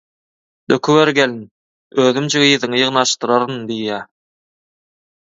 «Döküber gelin, özümjik yzyňy ýygnaşdyraryn» diýýä.